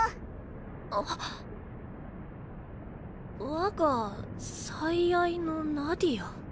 「我が最愛のナディア」。